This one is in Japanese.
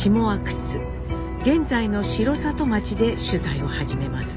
現在の城里町で取材を始めます。